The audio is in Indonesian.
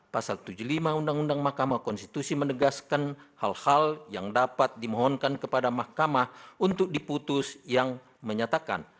pasal tujuh puluh lima undang undang mahkamah konstitusi menegaskan hal hal yang dapat dimohonkan kepada mahkamah untuk diputus yang menyatakan